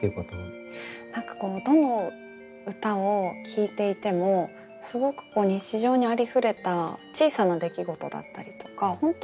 何かどの歌を聴いていてもすごく日常にありふれた小さな出来事だったりとか本当